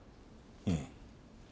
うん。